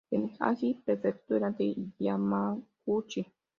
En Hagi, Prefectura de Yamaguchi.